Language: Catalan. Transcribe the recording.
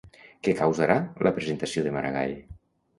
Què causarà la presentació de Maragall?